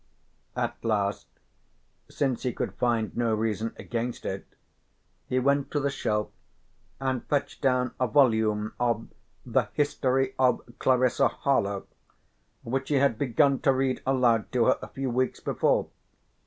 At last, since he could find no reason against it, he went to the shelf and fetched down a volume of the "History of Clarissa Harlowe," which he had begun to read aloud to her a few weeks before.